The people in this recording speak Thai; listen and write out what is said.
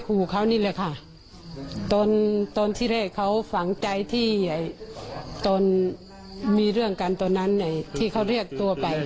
คือเรียกยอมรับว่าลูกเขามีเป็นผู้ใหญ่จริง